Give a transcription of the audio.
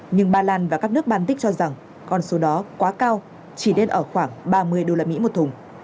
nhưng ba lan và các nước ban tích cho rằng con số đó quá cao chỉ đến ở khoảng ba mươi đô la mỹ một thùng